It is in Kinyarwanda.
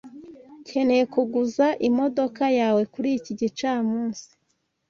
Nkeneye kuguza imodoka yawe kuri iki gicamunsi.